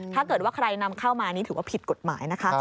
ถ้าเกิดว่าใครนำเข้ามานี่ถือว่าผิดกฎหมายนะคะ